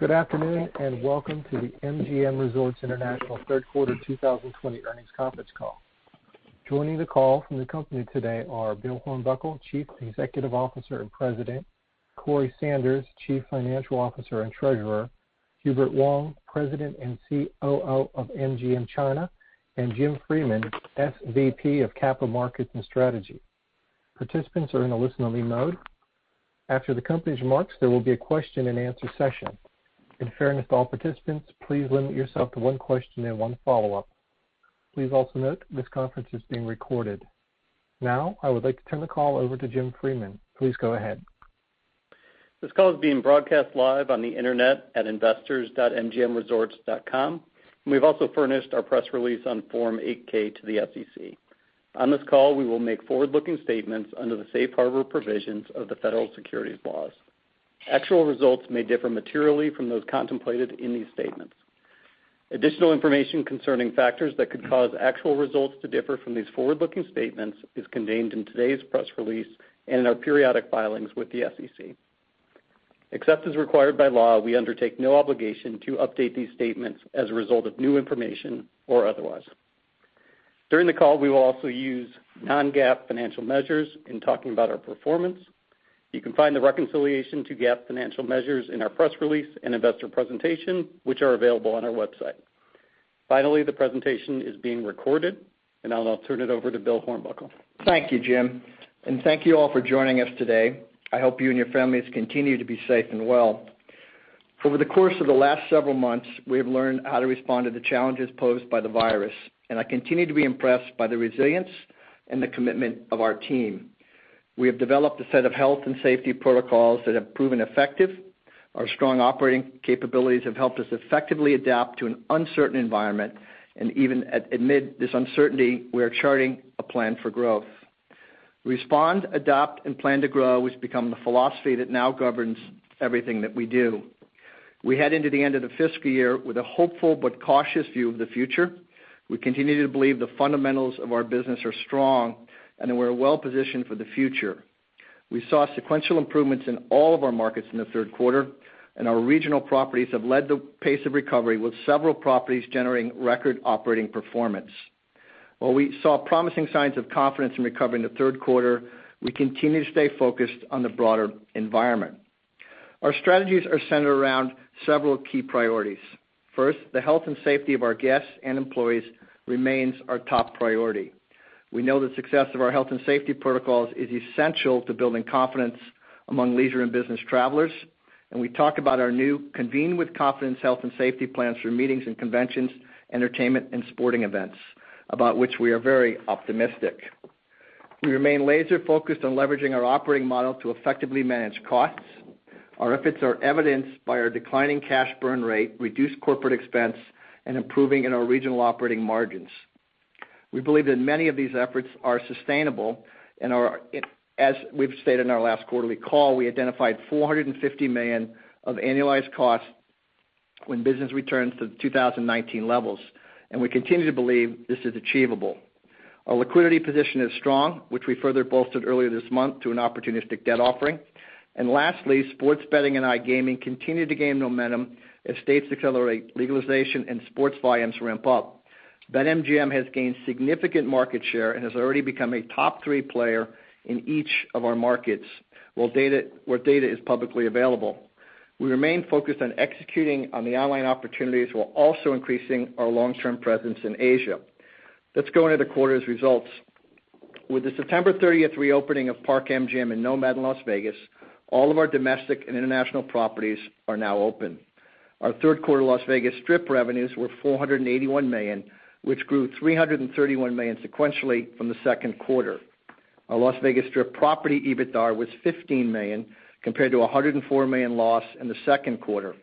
Good afternoon, and welcome to the MGM Resorts International Third Quarter 2020 Earnings Conference Call. Joining the call from the company today are Bill Hornbuckle, Chief Executive Officer and President, Corey Sanders, Chief Financial Officer and Treasurer, Hubert Wang, President and COO of MGM China, and Jim Freeman, SVP of Capital Markets and Strategy. Participants are in a listen-only mode. After the company's remarks, there will be a question and answer session. In fairness to all participants, please limit yourself to one question and one follow-up. Please also note this conference is being recorded. Now, I would like to turn the call over to Jim Freeman. Please go ahead. This call is being broadcast live on the internet at investors.mgmresorts.com. We've also furnished our press release on Form 8-K to the SEC. On this call, we will make forward-looking statements under the Safe Harbor provisions of the Federal Securities Laws. Actual results may differ materially from those contemplated in these statements. Additional information concerning factors that could cause actual results to differ from these forward-looking statements is contained in today's press release and in our periodic filings with the SEC. Except as required by law, we undertake no obligation to update these statements as a result of new information or otherwise. During the call, we will also use non-GAAP financial measures in talking about our performance. You can find the reconciliation to GAAP financial measures in our press release and investor presentation, which are available on our website. Finally, the presentation is being recorded. Now I'll turn it over to Bill Hornbuckle. Thank you, Jim. Thank you all for joining us today. I hope you and your families continue to be safe and well. Over the course of the last several months, we have learned how to respond to the challenges posed by the virus, and I continue to be impressed by the resilience and the commitment of our team. We have developed a set of health and safety protocols that have proven effective. Our strong operating capabilities have helped us effectively adapt to an uncertain environment, and even amid this uncertainty, we are charting a plan for growth. Respond, Adapt, and Plan to Grow has become the philosophy that now governs everything that we do. We head into the end of the fiscal year with a hopeful but cautious view of the future. We continue to believe the fundamentals of our business are strong and that we're well-positioned for the future. We saw sequential improvements in all of our markets in the third quarter, and our regional properties have led the pace of recovery, with several properties generating record operating performance. While we saw promising signs of confidence in recovering the third quarter, we continue to stay focused on the broader environment. Our strategies are centered around several key priorities. First, the health and safety of our guests and employees remains our top priority. We know the success of our health and safety protocols is essential to building confidence among leisure and business travelers, and we talk about our new Convene with Confidence health and safety plans for meetings and conventions, entertainment, and sporting events, about which we are very optimistic. We remain laser-focused on leveraging our operating model to effectively manage costs. Our efforts are evidenced by our declining cash burn rate, reduced corporate expense, and improving in our regional operating margins. We believe that many of these efforts are sustainable, and as we've stated in our last quarterly call, we identified $450 million of annualized costs when business returns to 2019 levels, and we continue to believe this is achievable. Our liquidity position is strong, which we further bolstered earlier this month through an opportunistic debt offering. Lastly, sports betting and iGaming continue to gain momentum as states accelerate legalization and sports volumes ramp up. BetMGM has gained significant market share and has already become a top three player in each of our markets where data is publicly available. We remain focused on executing on the online opportunities while also increasing our long-term presence in Asia. Let's go into the quarter's results. With the September 30th reopening of Park MGM and NoMad in Las Vegas, all of our domestic and international properties are now open. Our third quarter Las Vegas Strip revenues were $481 million, which grew $331 million sequentially from the second quarter. Our Las Vegas Strip property EBITDAR was $15 million, compared to $104 million loss in the second quarter.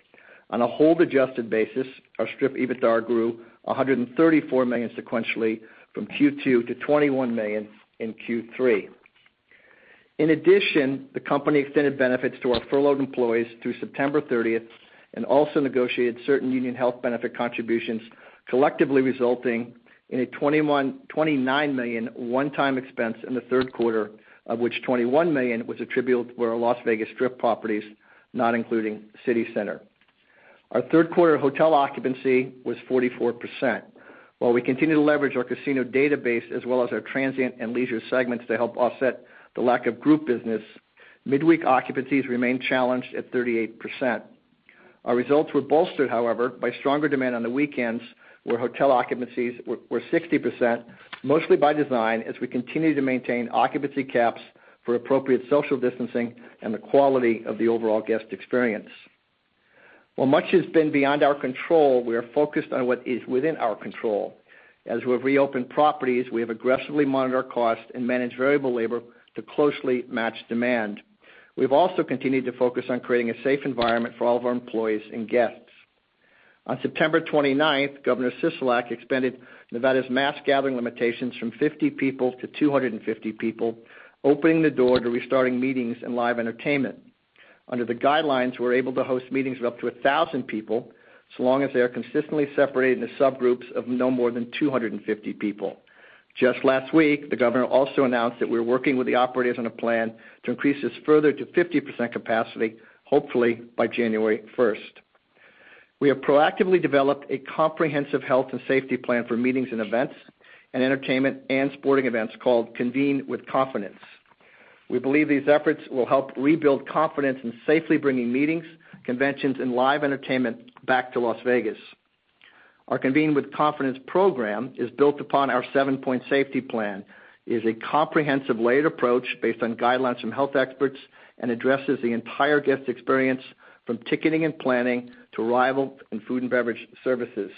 On a hold-adjusted basis, our Strip EBITDAR grew $134 million sequentially from Q2 to $21 million in Q3. In addition, the company extended benefits to our furloughed employees through September 30th and also negotiated certain union health benefit contributions, collectively resulting in a $29 million one-time expense in the third quarter, of which $21 million was attributable to our Las Vegas Strip properties, not including CityCenter. Our third quarter hotel occupancy was 44%. While we continue to leverage our casino database as well as our transient and leisure segments to help offset the lack of group business, midweek occupancies remain challenged at 38%. Our results were bolstered, however, by stronger demand on the weekends, where hotel occupancies were 60%, mostly by design, as we continue to maintain occupancy caps for appropriate social distancing and the quality of the overall guest experience. While much has been beyond our control, we are focused on what is within our control. As we've reopened properties, we have aggressively monitored our costs and managed variable labor to closely match demand. We've also continued to focus on creating a safe environment for all of our employees and guests. On September 29th, Governor Sisolak expanded Nevada's mass gathering limitations from 50-250 people, opening the door to restarting meetings and live entertainment. Under the guidelines, we're able to host meetings with up to 1,000 people, so long as they are consistently separated into subgroups of no more than 250 people. Last week, the governor also announced that we're working with the operators on a plan to increase this further to 50% capacity, hopefully by January 1st. We have proactively developed a comprehensive health and safety plan for meetings and events and entertainment and sporting events called Convene with Confidence. We believe these efforts will help rebuild confidence in safely bringing meetings, conventions, and live entertainment back to Las Vegas. Our Convene with Confidence program is built upon our seven-point safety plan. It is a comprehensive layered approach based on guidelines from health experts and addresses the entire guest experience from ticketing and planning to arrival and food and beverage services.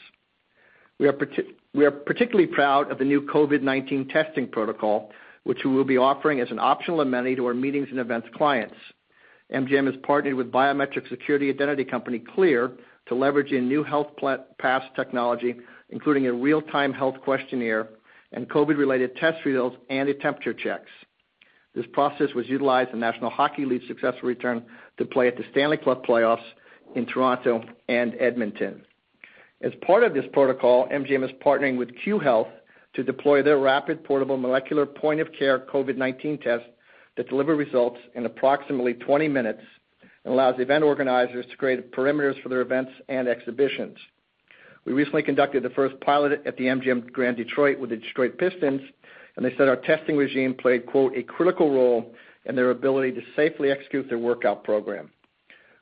We are particularly proud of the new COVID-19 testing protocol, which we will be offering as an optional amenity to our meetings and events clients. MGM has partnered with biometric security identity company CLEAR to leverage a new Health Pass technology, including a real-time health questionnaire and COVID-related test results and temperature checks. This process was utilized in National Hockey League's successful return to play at the Stanley Cup Playoffs in Toronto and Edmonton. As part of this protocol, MGM is partnering with Cue Health to deploy their rapid portable molecular point-of-care COVID-19 test that deliver results in approximately 20 minutes and allows event organizers to create perimeters for their events and exhibitions. We recently conducted the first pilot at the MGM Grand Detroit with the Detroit Pistons, they said our testing regime played, quote, "A critical role in their ability to safely execute their workout program."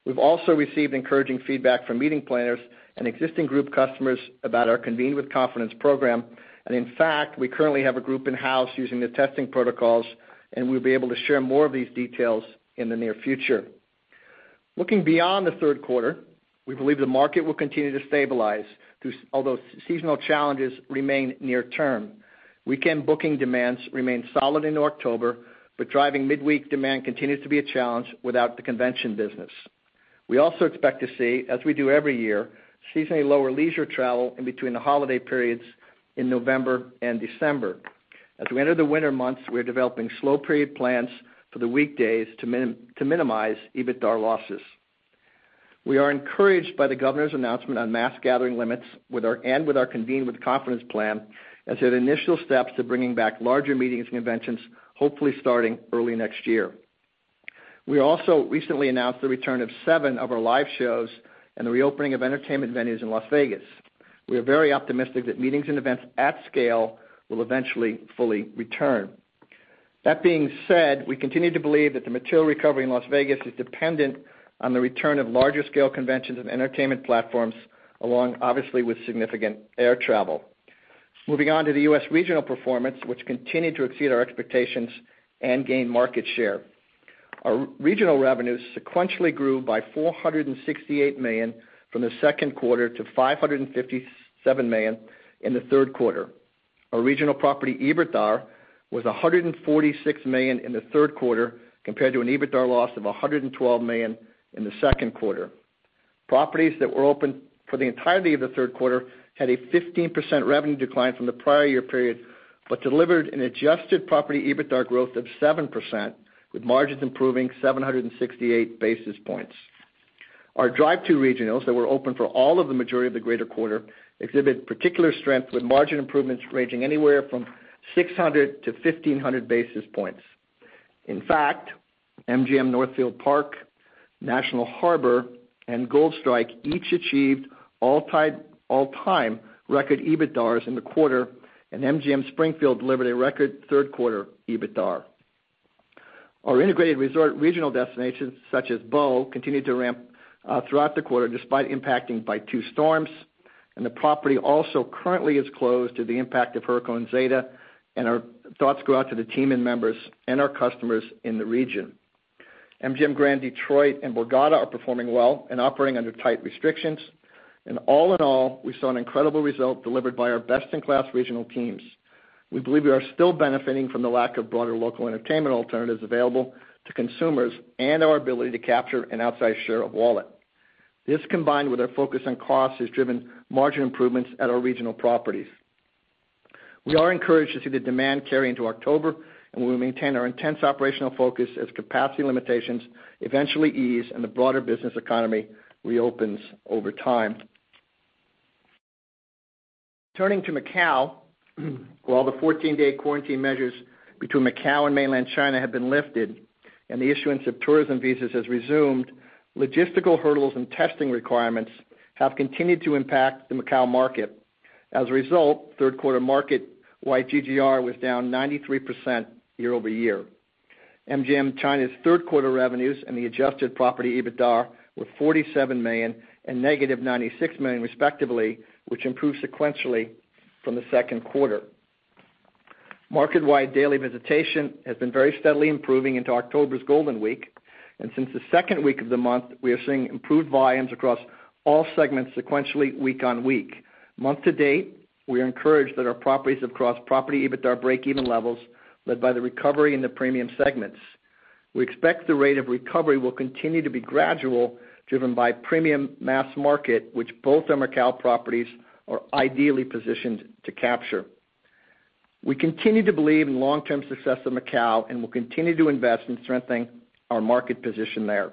We've also received encouraging feedback from meeting planners and existing group customers about our Convene with Confidence program. In fact, we currently have a group in-house using the testing protocols, and we'll be able to share more of these details in the near future. Looking beyond the third quarter, we believe the market will continue to stabilize, although seasonal challenges remain near term. Weekend booking demands remain solid into October, driving midweek demand continues to be a challenge without the convention business. We also expect to see, as we do every year, seasonally lower leisure travel in between the holiday periods in November and December. As we enter the winter months, we're developing slow period plans for the weekdays to minimize EBITDA losses. We are encouraged by the Governor's announcement on mass gathering limits and with our Convene with Confidence plan as initial steps to bringing back larger meetings and conventions, hopefully starting early next year. We also recently announced the return of seven of our live shows and the reopening of entertainment venues in Las Vegas. We are very optimistic that meetings and events at scale will eventually fully return. That being said, we continue to believe that the material recovery in Las Vegas is dependent on the return of larger-scale conventions and entertainment platforms, along, obviously, with significant air travel. Moving on to the US regional performance, which continued to exceed our expectations and gain market share. Our regional revenues sequentially grew by $468 million from the second quarter to $557 million in the third quarter. Our regional property EBITDAR was $146 million in the third quarter compared to an EBITDAR loss of $112 million in the second quarter. Properties that were open for the entirety of the third quarter had a 15% revenue decline from the prior year period, but delivered an adjusted property EBITDAR growth of 7%, with margins improving 768 basis points. Our drive-to regionals that were open for all of the majority of the greater quarter exhibited particular strength, with margin improvements ranging anywhere from 600-1,500 basis points. In fact, MGM Northfield Park, National Harbor, and Gold Strike each achieved all-time record EBITDARs in the quarter, and MGM Springfield delivered a record third-quarter EBITDAR. Our integrated resort regional destinations, such as Beau, continued to ramp throughout the quarter, despite impacting by two storms. The property also currently is closed due to the impact of Hurricane Zeta. Our thoughts go out to the team members and our customers in the region. MGM Grand Detroit and Borgata are performing well and operating under tight restrictions. All in all, we saw an incredible result delivered by our best-in-class regional teams. We believe we are still benefiting from the lack of broader local entertainment alternatives available to consumers and our ability to capture an outsized share of wallet. This, combined with our focus on cost, has driven margin improvements at our regional properties. We are encouraged to see the demand carry into October. We will maintain our intense operational focus as capacity limitations eventually ease and the broader business economy reopens over time. Turning to Macau, while the 14-day quarantine measures between Macau and mainland China have been lifted and the issuance of tourism visas has resumed, logistical hurdles and testing requirements have continued to impact the Macau market. As a result, third-quarter market-wide GGR was down 93% year-over-year. MGM China's third-quarter revenues and the adjusted property EBITDAR were $47 million and -$96 million respectively, which improved sequentially from the second quarter. Market-wide daily visitation has been very steadily improving into October's Golden Week. Since the second week of the month, we are seeing improved volumes across all segments sequentially week-on-week. Month to date, we are encouraged that our properties have crossed property EBITDAR breakeven levels, led by the recovery in the premium segments. We expect the rate of recovery will continue to be gradual, driven by premium mass market, which both our Macau properties are ideally positioned to capture. We continue to believe in the long-term success of Macau and will continue to invest in strengthening our market position there.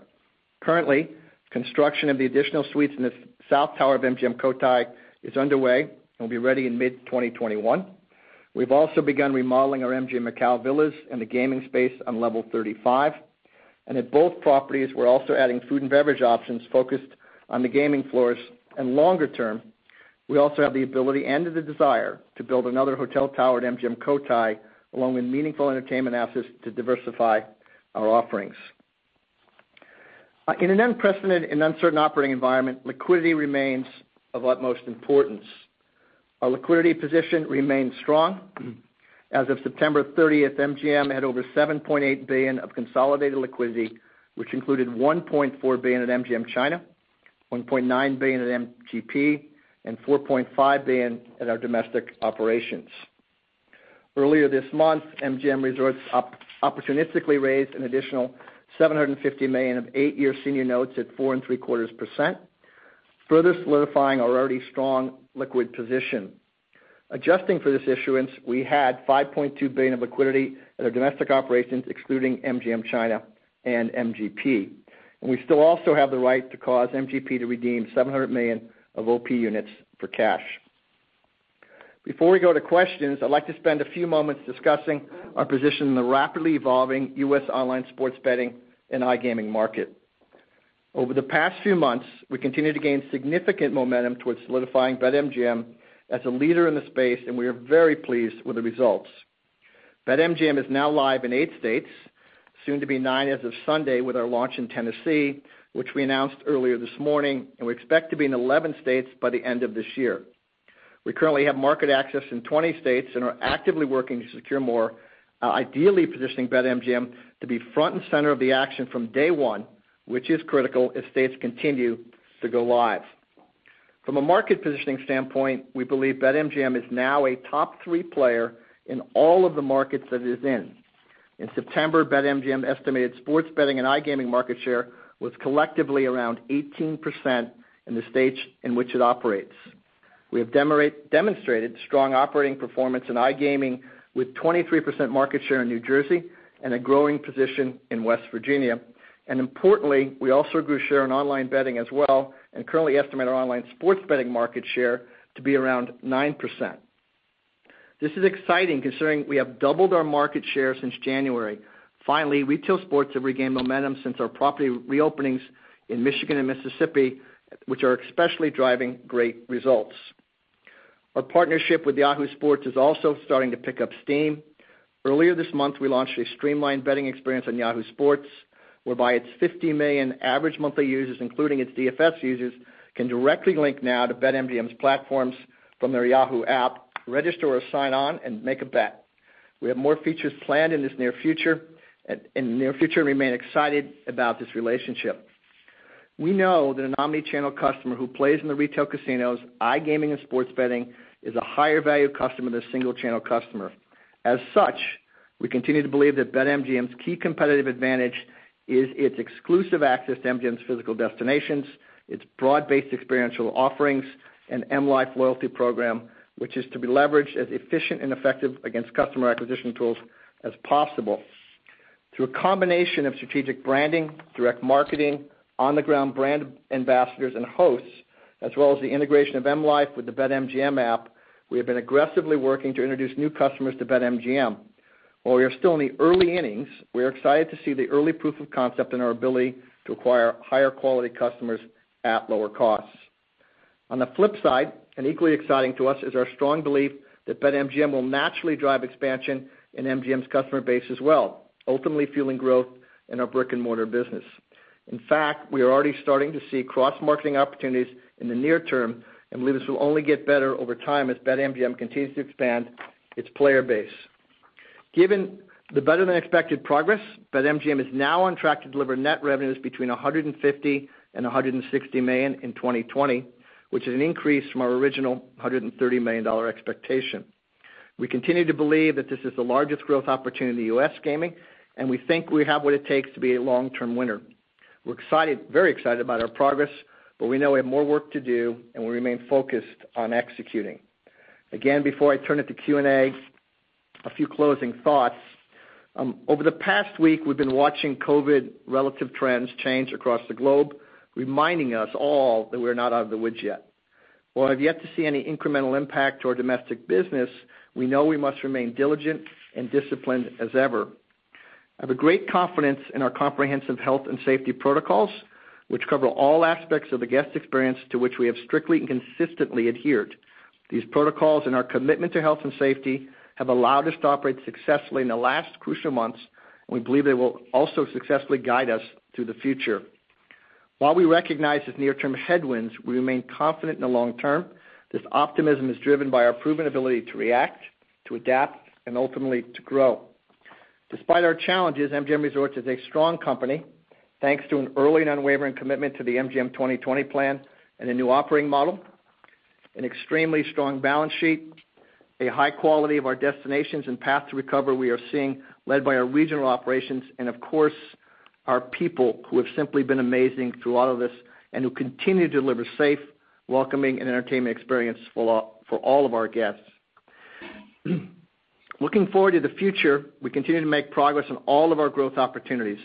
Currently, construction of the additional suites in the south tower of MGM Cotai is underway and will be ready in mid-2021. We've also begun remodeling our MGM Macau Villas and the gaming space on Level 35. At both properties, we're also adding food and beverage options focused on the gaming floors. Longer term, we also have the ability and the desire to build another hotel tower at MGM Cotai, along with meaningful entertainment assets to diversify our offerings. In an unprecedented and uncertain operating environment, liquidity remains of utmost importance. Our liquidity position remains strong. As of September 30th, MGM had over $7.8 billion of consolidated liquidity, which included $1.4 billion at MGM China, $1.9 billion at MGP, and $4.5 billion at our domestic operations. Earlier this month, MGM Resorts opportunistically raised an additional $750 million of eight-year senior notes at 4.75%, further solidifying our already strong liquid position. Adjusting for this issuance, we had $5.2 billion of liquidity at our domestic operations, excluding MGM China and MGP. We still also have the right to cause MGP to redeem $700 million of OP units for cash. Before we go to questions, I'd like to spend a few moments discussing our position in the rapidly evolving US online sports betting and iGaming market. Over the past few months, we continue to gain significant momentum towards solidifying BetMGM as a leader in the space, and we are very pleased with the results. BetMGM is now live in eight states, soon to be nine as of Sunday with our launch in Tennessee, which we announced earlier this morning. We expect to be in 11 states by the end of this year. We currently have market access in 20 states and are actively working to secure more, ideally positioning BetMGM to be front and center of the action from day one, which is critical as states continue to go live. From a market positioning standpoint, we believe BetMGM is now a top three player in all of the markets that it is in. In September, BetMGM estimated sports betting and iGaming market share was collectively around 18% in the states in which it operates. We have demonstrated strong operating performance in iGaming with 23% market share in New Jersey and a growing position in West Virginia. And importantly, we also grew share in online betting as well, and currently estimate our online sports betting market share to be around 9%. This is exciting considering we have doubled our market share since January. Finally, retail sports have regained momentum since our property reopenings in Michigan and Mississippi, which are especially driving great results. Our partnership with Yahoo Sports is also starting to pick up steam. Earlier this month, we launched a streamlined betting experience on Yahoo Sports, whereby its 50 million average monthly users, including its DFS users, can directly link now to BetMGM's platforms from their Yahoo app, register or sign on, and make a bet. We have more features planned in the near future and remain excited about this relationship. We know that an omni-channel customer who plays in the retail casinos, iGaming, and sports betting is a higher value customer than a single-channel customer. As such, we continue to believe that BetMGM's key competitive advantage is its exclusive access to MGM's physical destinations, its broad-based experiential offerings, and M life loyalty program, which is to be leveraged as efficient and effective against customer acquisition tools as possible. Through a combination of strategic branding, direct marketing, on-the-ground brand ambassadors and hosts, as well as the integration of M life with the BetMGM app, we have been aggressively working to introduce new customers to BetMGM. While we are still in the early innings, we are excited to see the early proof of concept in our ability to acquire higher quality customers at lower costs. On the flip side, and equally exciting to us, is our strong belief that BetMGM will naturally drive expansion in MGM's customer base as well, ultimately fueling growth in our brick-and-mortar business. In fact, we are already starting to see cross-marketing opportunities in the near term and believe this will only get better over time as BetMGM continues to expand its player base. Given the better-than-expected progress, BetMGM is now on track to deliver net revenues between $150 million and $160 million in 2020, which is an increase from our original $130 million expectation. We continue to believe that this is the largest growth opportunity in U.S. gaming, and we think we have what it takes to be a long-term winner. We're very excited about our progress, but we know we have more work to do, and we remain focused on executing. Again, before I turn it to Q&A, a few closing thoughts. Over the past week, we've been watching COVID relative trends change across the globe, reminding us all that we're not out of the woods yet. While I've yet to see any incremental impact to our domestic business, we know we must remain diligent and disciplined as ever. I have a great confidence in our comprehensive health and safety protocols, which cover all aspects of the guest experience to which we have strictly and consistently adhered. These protocols and our commitment to health and safety have allowed us to operate successfully in the last crucial months, and we believe they will also successfully guide us through the future. While we recognize these near-term headwinds, we remain confident in the long term. This optimism is driven by our proven ability to react, to adapt, and ultimately to grow. Despite our challenges, MGM Resorts is a strong company, thanks to an early and unwavering commitment to the MGM 2020 plan and a new operating model, an extremely strong balance sheet, a high quality of our destinations and path to recovery we are seeing led by our regional operations, and of course, our people, who have simply been amazing through all of this and who continue to deliver safe, welcoming, and entertaining experiences for all of our guests. Looking forward to the future, we continue to make progress on all of our growth opportunities,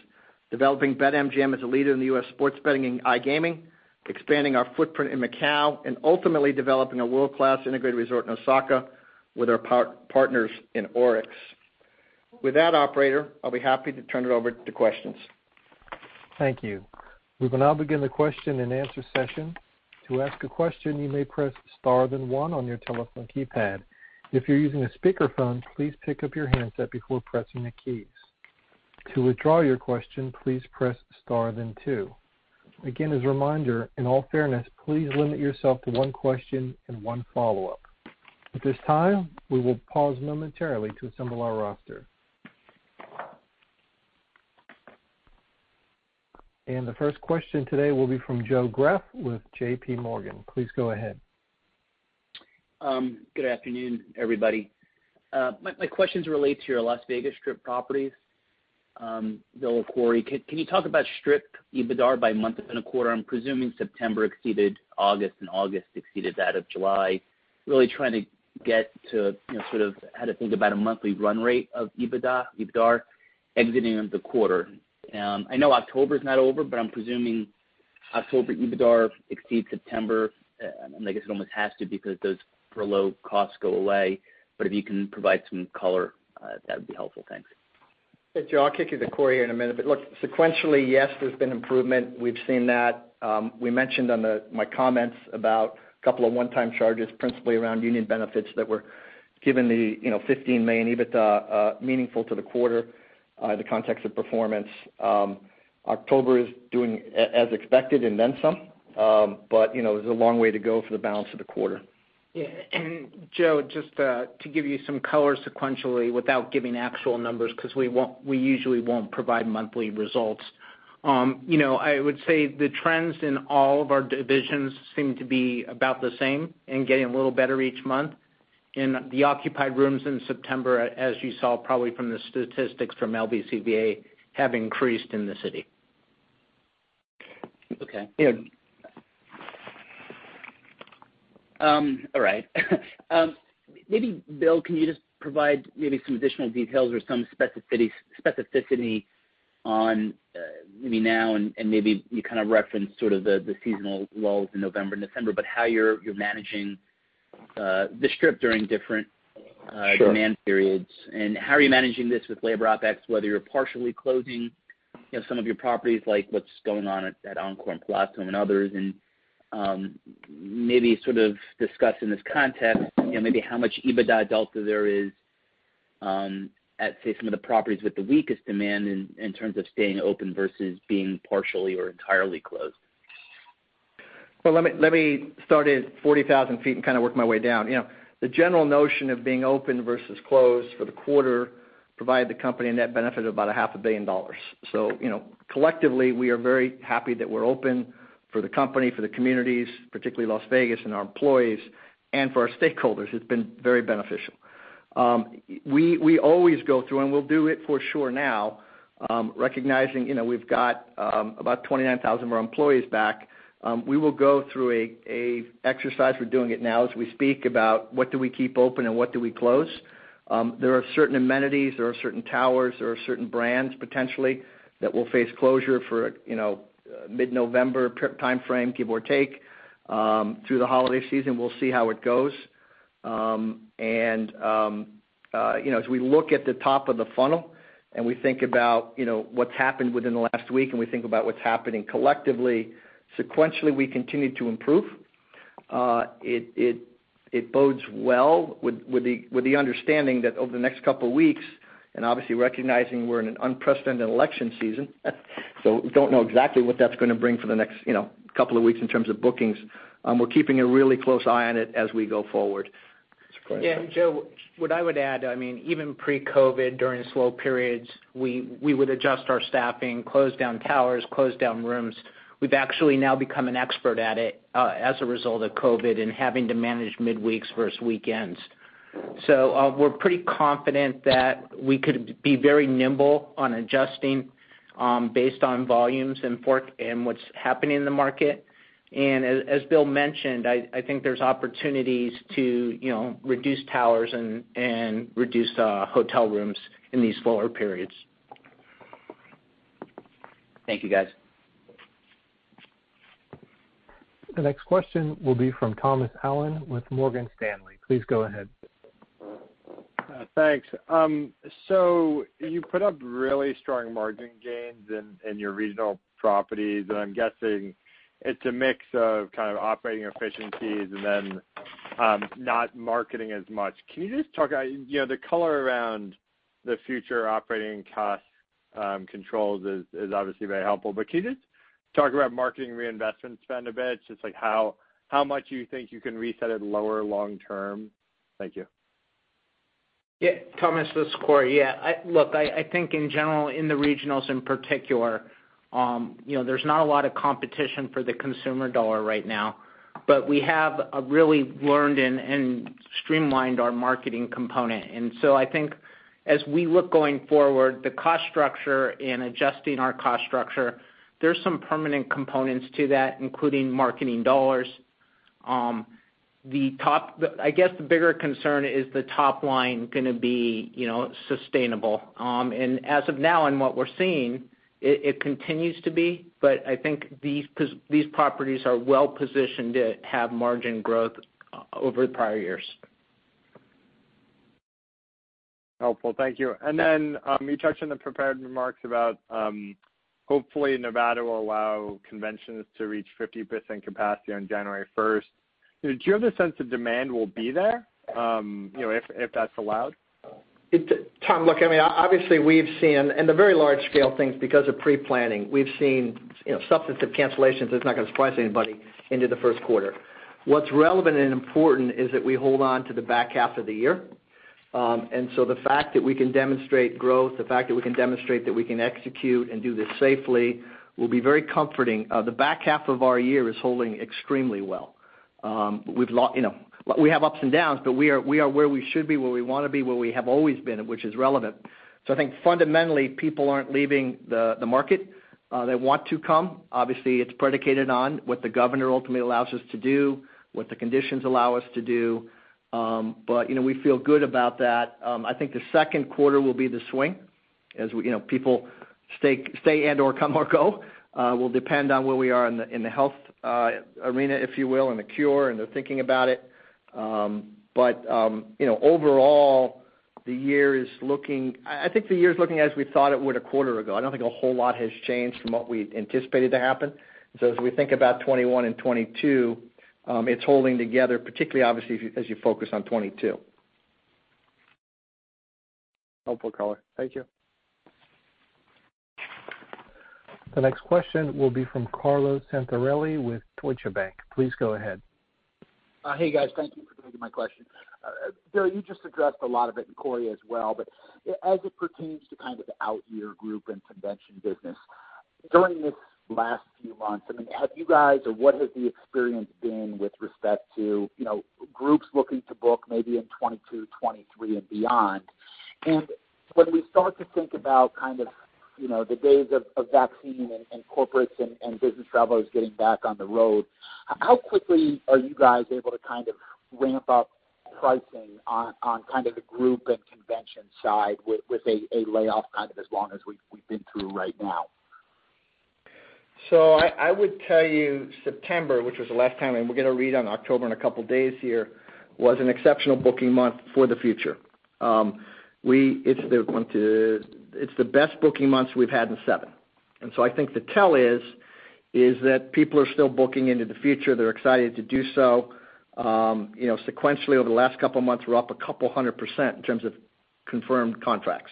developing BetMGM as a leader in the US sports betting and iGaming, expanding our footprint in Macau, and ultimately developing a world-class integrated resort in Osaka with our partners in ORIX. With that, operator, I'll be happy to turn it over to questions. Thank you. We will now begin the question and answer session. To ask a question, you may press star then one on your telephone keypad. If you're using a speakerphone, please pick up your handset before pressing the keys. To withdraw your question, please press star then two. Again, as a reminder, in all fairness, please limit yourself to one question and one follow-up. At this time, we will pause momentarily to assemble our roster. And the first question today will be from Joe Greff with JPMorgan. Please go ahead. Good afternoon, everybody. My questions relate to your Las Vegas Strip properties. Bill or Corey, can you talk about Strip EBITDA by month and a quarter? I'm presuming September exceeded August and August exceeded that of July. Really trying to get to how to think about a monthly run rate of EBITDA, EBITDAR exiting the quarter. I know October's not over, I'm presuming October EBITDAR exceeds September. I guess it almost has to because those furlough costs go away. If you can provide some color, that would be helpful. Thanks. Hey, Joe, I'll kick it to Corey here in a minute. Look, sequentially, yes, there's been improvement. We've seen that. We mentioned on my comments about a couple of one-time charges, principally around union benefits that were given the $15 million EBITDA meaningful to the quarter, the context of performance. October is doing as expected and then some. There's a long way to go for the balance of the quarter. Yeah. Joe, just to give you some color sequentially without giving actual numbers, because we usually won't provide monthly results. I would say the trends in all of our divisions seem to be about the same and getting a little better each month. The occupied rooms in September, as you saw probably from the statistics from LVCVA, have increased in the city. Okay. All right. Maybe Bill, can you just provide maybe some additional details or some specificity on maybe now and maybe you kind of referenced sort of the seasonal lulls in November and December, but how you're managing the Strip during different- Sure. Demand periods and how are you managing this with labor OpEx, whether you're partially closing some of your properties, like what's going on at Encore and Palazzo and others, and maybe sort of discuss in this context, maybe how much EBITDA delta there is at, say, some of the properties with the weakest demand in terms of staying open versus being partially or entirely closed. Well, let me start at 40,000 ft and kind of work my way down. The general notion of being open versus closed for the quarter provided the company a net benefit of about a $0.5 billion. Collectively, we are very happy that we're open for the company, for the communities, particularly Las Vegas and our employees, and for our stakeholders. It's been very beneficial. We always go through, and we'll do it for sure now recognizing we've got about 29,000 of our employees back. We will go through a exercise, we're doing it now as we speak, about what do we keep open and what do we close. There are certain amenities, there are certain towers, there are certain brands, potentially, that will face closure for mid-November timeframe, give or take through the holiday season. We'll see how it goes. As we look at the top of the funnel and we think about what's happened within the last week and we think about what's happening collectively, sequentially, we continue to improve. It bodes well with the understanding that over the next couple of weeks, and obviously recognizing we're in an unprecedented election season, so we don't know exactly what that's going to bring for the next couple of weeks in terms of bookings. We're keeping a really close eye on it as we go forward. Yeah, Joe, what I would add, even pre-COVID, during slow periods, we would adjust our staffing, close down towers, close down rooms. We've actually now become an expert at it as a result of COVID and having to manage midweeks versus weekends. We're pretty confident that we could be very nimble on adjusting based on volumes and what's happening in the market. And as Bill mentioned, I think there's opportunities to reduce towers and reduce hotel rooms in these slower periods. Thank you, guys. The next question will be from Thomas Allen with Morgan Stanley. Please go ahead. Thanks. You put up really strong margin gains in your regional properties, and I'm guessing it's a mix of kind of operating efficiencies and then not marketing as much. The color around the future operating cost controls is obviously very helpful. Can you just talk about marketing reinvestment spend a bit, just how much you think you can reset at lower long term? Thank you. Thomas, this is Corey. Look, I think in general, in the regionals in particular, there's not a lot of competition for the consumer dollar right now, but we have really learned and streamlined our marketing component. I think as we look going forward, the cost structure and adjusting our cost structure, there's some permanent components to that, including marketing dollars. The top, I guess, the bigger concern is the top line going to be sustainable. As of now and what we're seeing, it continues to be, but I think these properties are well positioned to have margin growth over the prior years. Helpful. Thank you. Then, you touched in the prepared remarks about, hopefully Nevada will allow conventions to reach 50% capacity on January 1st. Do you have a sense the demand will be there, if that's allowed? Tom, look, obviously we've seen in the very large scale things because of pre-planning. We've seen substantive cancellations, it's not going to surprise anybody into the first quarter. What's relevant and important is that we hold on to the back half of the year. The fact that we can demonstrate growth, the fact that we can demonstrate that we can execute and do this safely, will be very comforting. The back half of our year is holding extremely well. We have ups and downs, we are where we should be, where we want to be, where we have always been, which is relevant. I think fundamentally, people aren't leaving the market. They want to come. Obviously, it's predicated on what the Governor ultimately allows us to do, what the conditions allow us to do. We feel good about that. I think the second quarter will be the swing as people stay and/or come or go, will depend on where we are in the health arena, if you will, and the cure and the thinking about it. But overall, the year is looking as we thought it would a quarter ago. I don't think a whole lot has changed from what we anticipated to happen. As we think about 2021 and 2022, it's holding together, particularly obviously as you focus on 2022. Helpful color. Thank you. The next question will be from Carlo Santarelli with Deutsche Bank. Please go ahead. Hey, guys. Thank you for taking my question. Bill, you just addressed a lot of it, and Corey as well. As it pertains to kind of the out-year group and convention business, during this last few months, have you guys or what has the experience been with respect to groups looking to book maybe in 2022, 2023 and beyond? When we start to think about kind of the days of vaccinating and corporates and business travelers getting back on the road, how quickly are you guys able to kind of ramp up pricing on kind of the group and convention side with a layoff kind of as long as we've been through right now? I would tell you September, which was the last time, and we'll get a read on October in a couple of days here, was an exceptional booking month for the future. It's the best booking months we've had in seven. I think the tell is that people are still booking into the future. They're excited to do so. Sequentially over the last couple of months, we're up a couple of hundred percent in terms of confirmed contracts.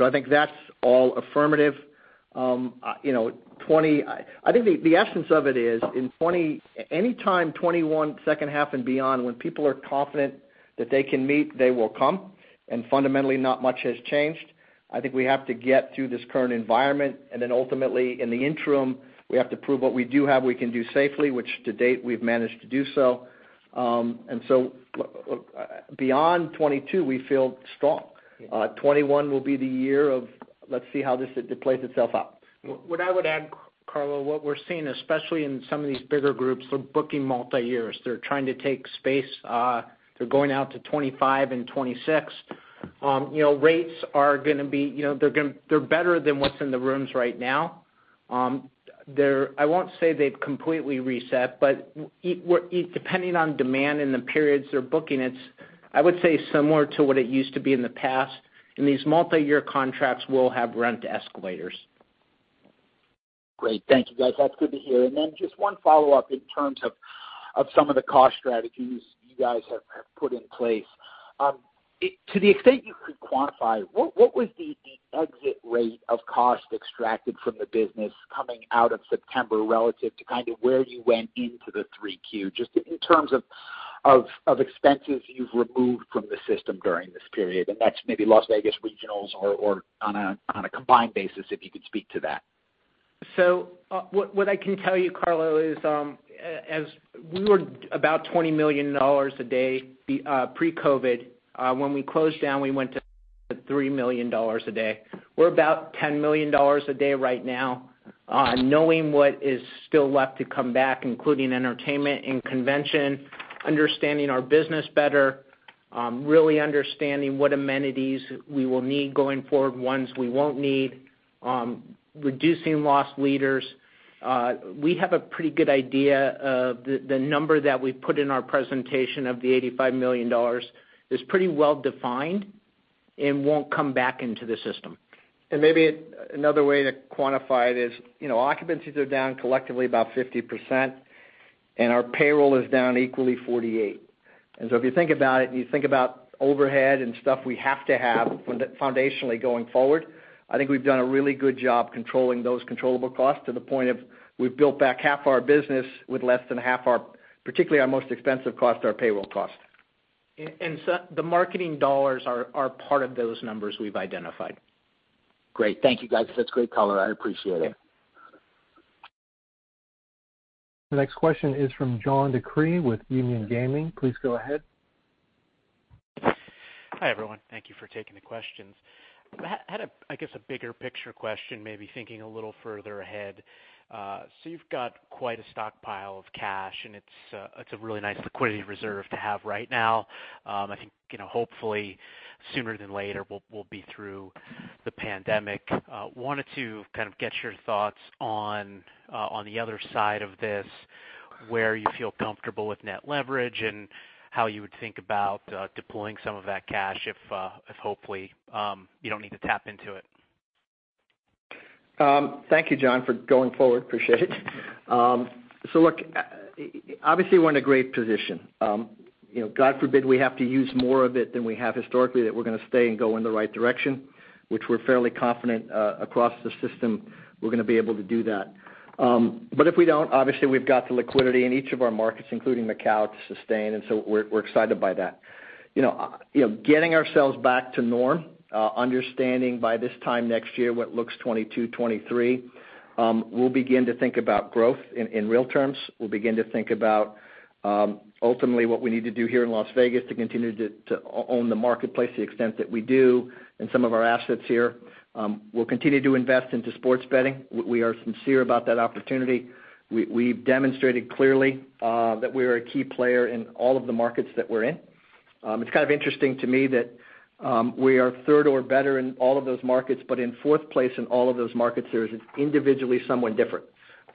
I think that's all affirmative. I think the essence of it is any time 2021 second half and beyond when people are confident that they can meet, they will come, and fundamentally not much has changed. I think we have to get through this current environment, and then ultimately in the interim, we have to prove what we do have, we can do safely, which to date we've managed to do so. Beyond 2022, we feel strong. 2021 will be the year of let's see how this plays itself out. What I would add, Carlo, what we're seeing, especially in some of these bigger groups, they're booking multi-years. They're trying to take space. They're going out to 2025 and 2026. Rates are going to be better than what's in the rooms right now. I won't say they've completely reset, but depending on demand and the periods they're booking, it's I would say similar to what it used to be in the past, and these multi-year contracts will have rent escalators. Great. Thank you, guys. That's good to hear. Then just one follow-up in terms of some of the cost strategies you guys have put in place. To the extent you could quantify, what was the exit rate of cost extracted from the business coming out of September relative to kind of where you went into the 3Q, just in terms of expenses you've removed from the system during this period, and that's maybe Las Vegas regionals or on a combined basis, if you could speak to that? What I can tell you, Carlo, is we were about $20 million a day pre-COVID. When we closed down, we went to $3 million a day. We're about $10 million a day right now. Knowing what is still left to come back, including entertainment and convention, understanding our business better, really understanding what amenities we will need going forward, ones we won't need, reducing loss leaders. We have a pretty good idea of the number that we put in our presentation of the $85 million is pretty well defined and won't come back into the system. Maybe another way to quantify it is occupancies are down collectively about 50%, and our payroll is down equally 48%. If you think about it and you think about overhead and stuff we have to have foundationally going forward, I think we've done a really good job controlling those controllable costs to the point of we've built back half our business with less than half our, particularly our most expensive cost, our payroll cost. The marketing dollars are part of those numbers we've identified. Great. Thank you, guys. That's great color. I appreciate it. The next question is from John DeCree with Union Gaming. Please go ahead. Hi, everyone. Thank you for taking the questions. I had, I guess, a bigger picture question, maybe thinking a little further ahead. You've got quite a stockpile of cash, and it's a really nice liquidity reserve to have right now. I think, hopefully, sooner than later, we'll be through the pandemic. Wanted to kind of get your thoughts on the other side of this, where you feel comfortable with net leverage and how you would think about deploying some of that cash if hopefully, you don't need to tap into it. Thank you, John, for going forward. Appreciate it. Look, obviously, we're in a great position. God forbid, we have to use more of it than we have historically, that we're going to stay and go in the right direction, which we're fairly confident across the system we're going to be able to do that. If we don't, obviously we've got the liquidity in each of our markets, including Macau, to sustain, we're excited by that. Getting ourselves back to norm, understanding by this time next year what looks 2022, 2023, we'll begin to think about growth in real terms. We'll begin to think about, ultimately, what we need to do here in Las Vegas to continue to own the marketplace to the extent that we do and some of our assets here. We'll continue to invest into sports betting. We are sincere about that opportunity. We've demonstrated clearly that we're a key player in all of the markets that we're in. It's kind of interesting to me that we are third or better in all of those markets, but in fourth place in all of those markets, there is individually somewhat different.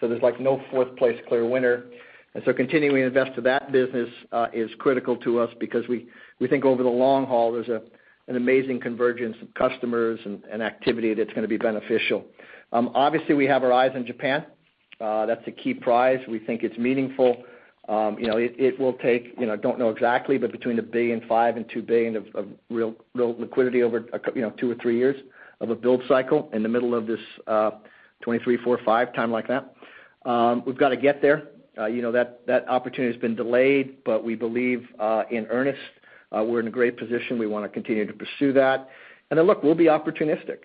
There's no fourth place clear winner. Continuing to invest to that business is critical to us because we think over the long haul, there's an amazing convergence of customers and activity that's going to be beneficial. Obviously, we have our eyes on Japan. That's a key prize. We think it's meaningful. It will take, don't know exactly, but between $1.5 billion and $2 billion of real liquidity over two or three years of a build cycle in the middle of this 2023, 2024, 2025 time like that. We've got to get there. That opportunity's been delayed, but we believe in earnest. We're in a great position. We want to continue to pursue that. Look, we'll be opportunistic.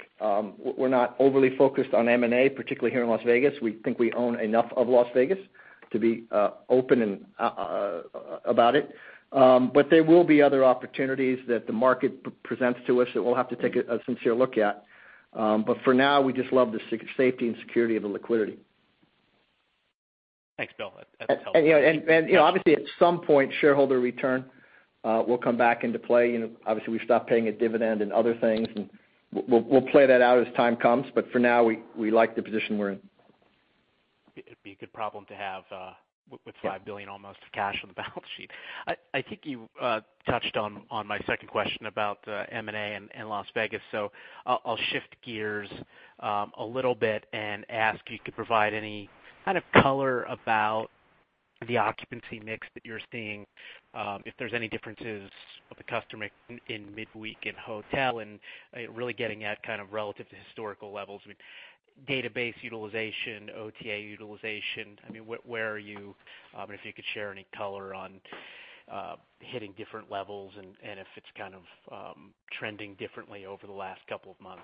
We're not overly focused on M&A, particularly here in Las Vegas. We think we own enough of Las Vegas to be open about it. There will be other opportunities that the market presents to us that we'll have to take a sincere look at. For now, we just love the safety and security of the liquidity. Thanks, Bill. That's helpful. Obviously at some point, shareholder return will come back into play. Obviously, we've stopped paying a dividend and other things, and we'll play that out as time comes. For now, we like the position we're in. It'd be a good problem to have with $5 billion almost of cash on the balance sheet. I think you touched on my second question about M&A and Las Vegas, so I'll shift gears a little bit and ask if you could provide any kind of color about the occupancy mix that you're seeing. If there's any differences with the customer in midweek and hotel, and really getting at kind of relative to historical levels with database utilization, OTA utilization. Where are you? If you could share any color on hitting different levels and if it's kind of trending differently over the last couple of months.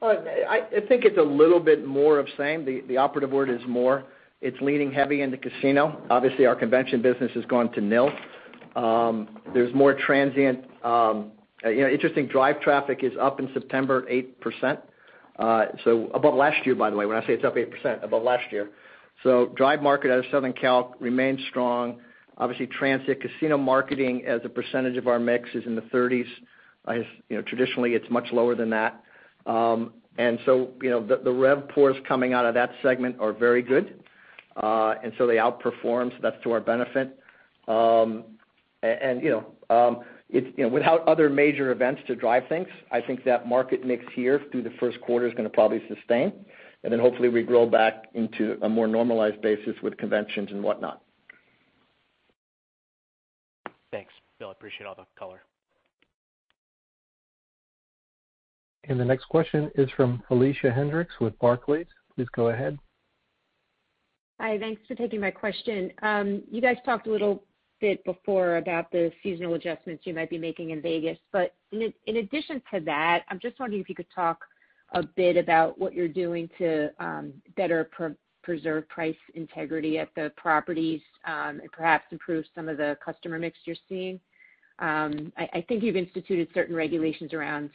Well, I think it's a little bit more of same. The operative word is more. It's leaning heavy into casino. Obviously, our convention business has gone to nil. There's more transient. Interesting, drive traffic is up in September 8%. Above last year, by the way, when I say it's up 8%, above last year. Drive market out of Southern Cal remains strong. Obviously, transient casino marketing as a percentage of our mix is in the 30s. Traditionally, it's much lower than that. The RevPARs coming out of that segment are very good. They outperform, so that's to our benefit. Without other major events to drive things, I think that market mix here through the first quarter is going to probably sustain. Then hopefully we grow back into a more normalized basis with conventions and whatnot. Thanks, Bill, appreciate all the color. The next question is from Felicia Hendrix with Barclays. Please go ahead. Hi, thanks for taking my question. You guys talked a little bit before about the seasonal adjustments you might be making in Vegas. In addition to that, I'm just wondering if you could talk a bit about what you're doing to better preserve price integrity at the properties, and perhaps improve some of the customer mix you're seeing. I think you've instituted certain regulations around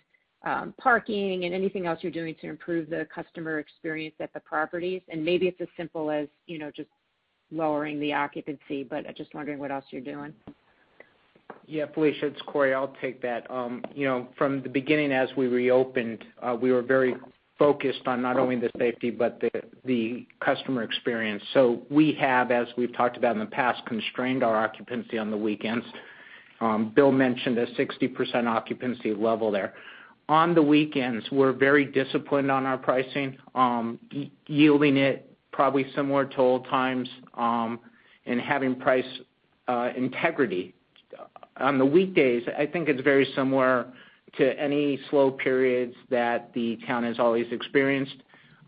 parking and anything else you're doing to improve the customer experience at the properties, and maybe it's as simple as just lowering the occupancy, but I'm just wondering what else you're doing. Felicia, it's Corey. I'll take that. From the beginning as we reopened, we were very focused on not only the safety, but the customer experience. We have, as we've talked about in the past, constrained our occupancy on the weekends. Bill mentioned a 60% occupancy level there. On the weekends, we're very disciplined on our pricing, yielding it probably similar to old times, and having price integrity. On the weekdays, I think it's very similar to any slow periods that the town has always experienced.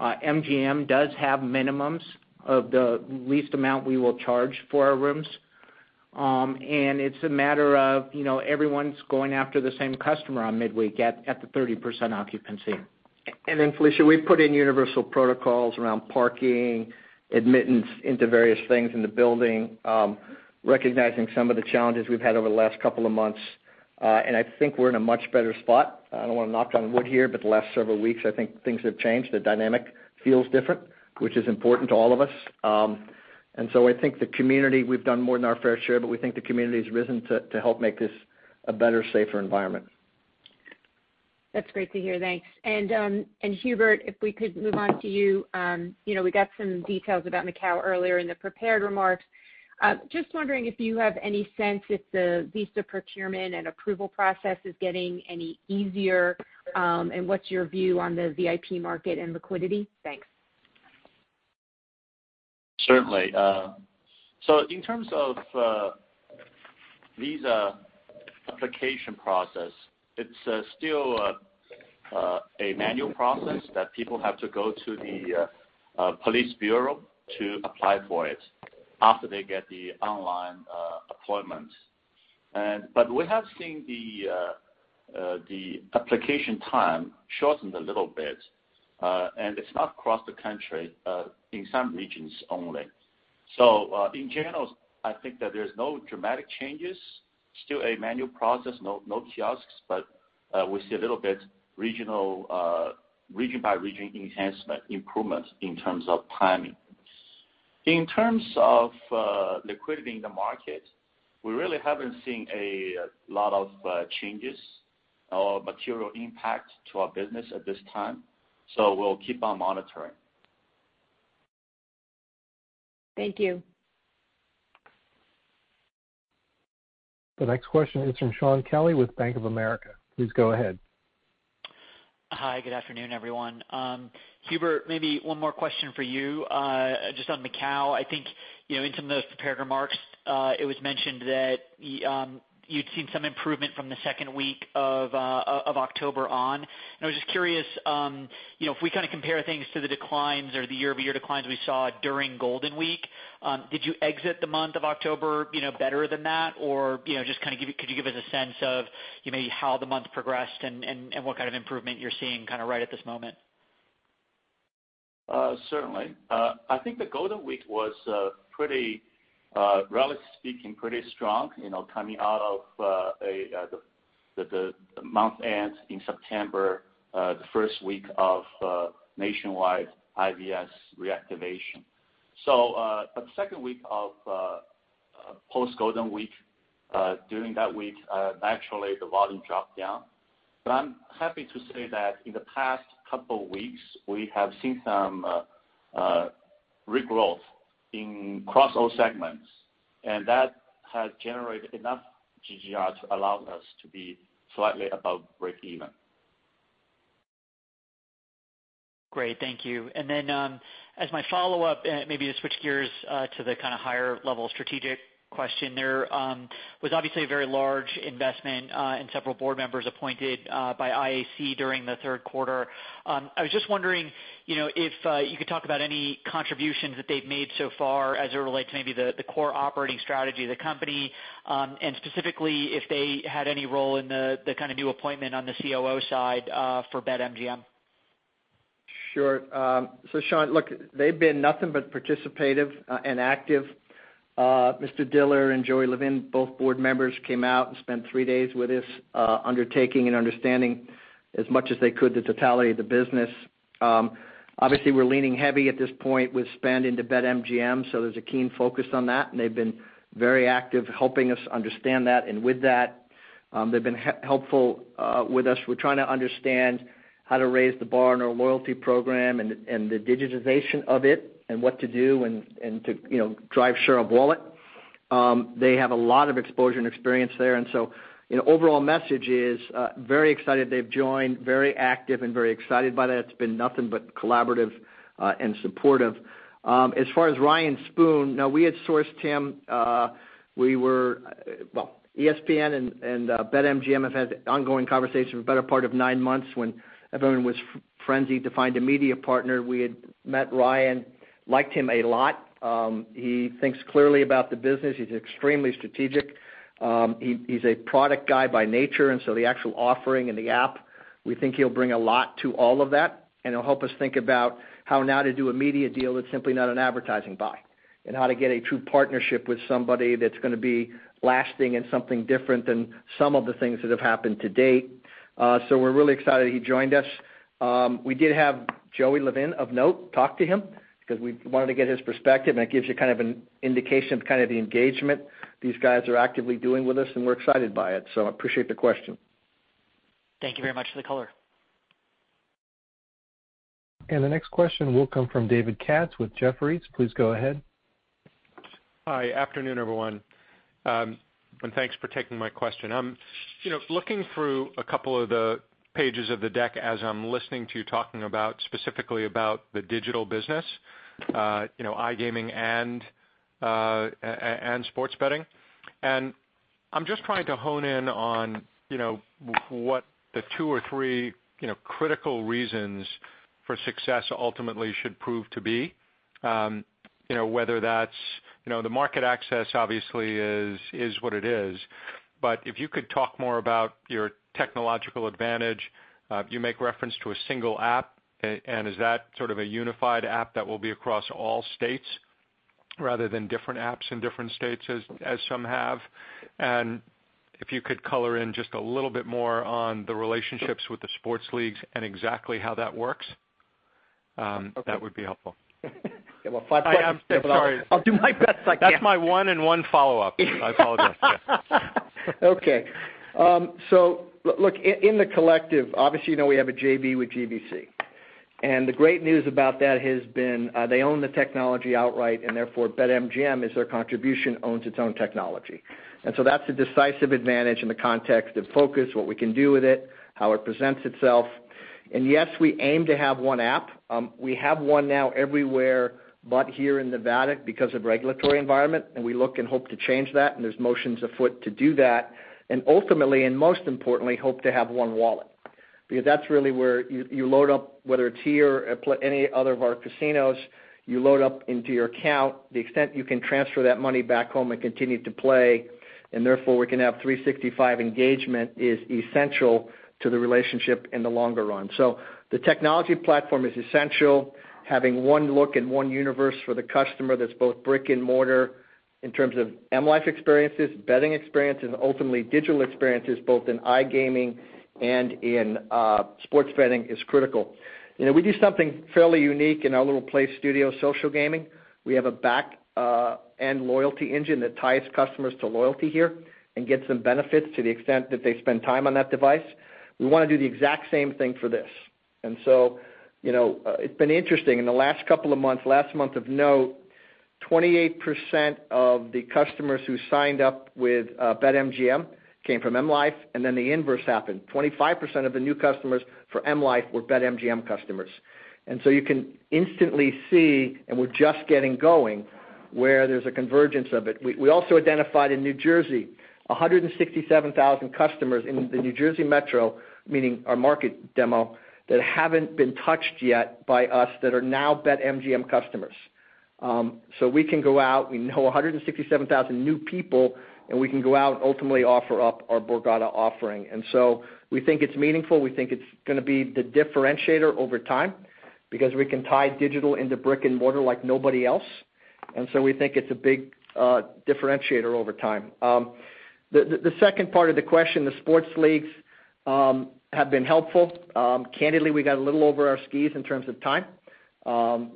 MGM does have minimums of the least amount we will charge for our rooms. It's a matter of everyone's going after the same customer on midweek at the 30% occupancy. Felicia, we've put in universal protocols around parking, admittance into various things in the building, recognizing some of the challenges we've had over the last couple of months. I think we're in a much better spot. I don't want to knock on wood here, but the last several weeks, I think things have changed. The dynamic feels different, which is important to all of us. I think the community, we've done more than our fair share, but we think the community's risen to help make this a better, safer environment. That's great to hear. Thanks. Hubert, if we could move on to you. We got some details about Macau earlier in the prepared remarks. Just wondering if you have any sense if the visa procurement and approval process is getting any easier, and what's your view on the VIP market and liquidity? Thanks. Certainly. In terms of visa application process, it's still a manual process that people have to go to the police bureau to apply for it after they get the online appointment. We have seen the application time shortened a little bit. It's not across the country, in some regions only. In general, I think that there's no dramatic changes. Still a manual process, no kiosks, but we see a little bit region by region enhancement improvements in terms of timing. In terms of liquidity in the market, we really haven't seen a lot of changes or material impact to our business at this time. We'll keep on monitoring. Thank you. The next question is from Shaun Kelley with Bank of America. Please go ahead. Hi, good afternoon, everyone. Hubert, maybe one more question for you. Just on Macau, I think, in some of those prepared remarks, it was mentioned that you'd seen some improvement from the second week of October on. I was just curious, if we compare things to the declines or the year-over-year declines we saw during Golden Week, did you exit the month of October better than that? Just could you give us a sense of maybe how the month progressed and what kind of improvement you're seeing right at this moment? Certainly. I think the Golden Week was, relatively speaking, pretty strong coming out of the month end in September, the first week of nationwide IVS reactivation. The second week of post-Golden Week, during that week, naturally, the volume dropped down. I'm happy to say that in the past couple of weeks, we have seen some regrowth across all segments, and that has generated enough GGR to allow us to be slightly above breakeven. Great. Thank you. As my follow-up, maybe to switch gears to the kind of higher level strategic question. There was obviously a very large investment, and several board members appointed by IAC during the third quarter. I was just wondering if you could talk about any contributions that they've made so far as it relates to maybe the core operating strategy of the company. Specifically, if they had any role in the kind of new appointment on the COO side for BetMGM. Sure. Shaun, look, they've been nothing but participative and active. Mr. Diller and Joey Levin, both board members, came out and spent three days with us, undertaking and understanding as much as they could the totality of the business. Obviously, we're leaning heavy at this point with spend into BetMGM, so there's a keen focus on that, and they've been very active helping us understand that and with that. They've been helpful with us. We're trying to understand how to raise the bar in our loyalty program and the digitization of it and what to do and to drive share of wallet. They have a lot of exposure and experience there. Overall message is, very excited they've joined, very active and very excited by that. It's been nothing but collaborative and supportive. As far as Ryan Spoon, now we had sourced him. ESPN and BetMGM have had ongoing conversations for the better part of nine months when everyone was frenzied to find a media partner. We had met Ryan, liked him a lot. He thinks clearly about the business. He's extremely strategic. He's a product guy by nature, and so the actual offering and the app, we think he'll bring a lot to all of that. He'll help us think about how now to do a media deal that's simply not an advertising buy. How to get a true partnership with somebody that's going to be lasting and something different than some of the things that have happened to date. We're really excited he joined us. We did have Joey Levin, of note, talk to him because we wanted to get his perspective, and it gives you kind of an indication of kind of the engagement these guys are actively doing with us, and we're excited by it. I appreciate the question. Thank you very much for the color. The next question will come from David Katz with Jefferies. Please go ahead. Hi. Afternoon, everyone. Thanks for taking my question. Looking through a couple of the pages of the deck as I'm listening to you talking about specifically about the digital business, iGaming and sports betting. I'm just trying to hone in on what the two or three critical reasons for success ultimately should prove to be. The market access obviously is what it is. If you could talk more about your technological advantage. You make reference to a single app, and is that sort of a unified app that will be across all states rather than different apps in different states as some have? If you could color in just a little bit more on the relationships with the sports leagues and exactly how that works? Okay that would be helpful. You have about five seconds. I am sorry. I'll do my best I can. That's my one and one follow-up. I apologize. Yes. Okay. Look, in the collective, obviously, you know we have a JV with GVC. The great news about that has been, they own the technology outright, and therefore BetMGM, as their contribution, owns its own technology. That's a decisive advantage in the context of focus, what we can do with it, how it presents itself. Yes, we aim to have one app. We have one now everywhere but here in Nevada because of regulatory environment, we look and hope to change that, there's motions afoot to do that. Ultimately, and most importantly, hope to have one wallet because that's really where you load up, whether it's here, at any other of our casinos, you load up into your account. The extent you can transfer that money back home and continue to play, and therefore we can have 365 engagement is essential to the relationship in the longer run. The technology platform is essential. Having one look and one universe for the customer that's both brick and mortar in terms of M life experiences, betting experiences, and ultimately digital experiences, both in iGaming and in sports betting is critical. We do something fairly unique in our little PLAYSTUDIOS, Social Gaming. We have a back-end loyalty engine that ties customers to loyalty here and gets them benefits to the extent that they spend time on that device. We want to do the exact same thing for this. It's been interesting. In the last couple of months, last month of note, 28% of the customers who signed up with BetMGM came from M life, the inverse happened. 25% of the new customers for M life were BetMGM customers. You can instantly see, and we're just getting going, where there's a convergence of it. We also identified in New Jersey, 167,000 customers in the New Jersey Metro, meaning our market demo, that haven't been touched yet by us that are now BetMGM customers. We can go out, we know 167,000 new people, and we can go out and ultimately offer up our Borgata offering. We think it's meaningful. We think it's going to be the differentiator over time because we can tie digital into brick and mortar like nobody else. We think it's a big differentiator over time. The second part of the question, the sports leagues have been helpful. Candidly, we got a little over our skis in terms of time,